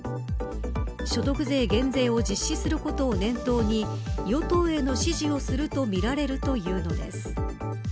所得税減税を実施することを念頭に与党への支持をするとみられるというのです。